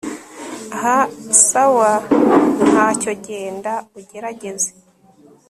hhhm sawa ntacyo genda ugerageze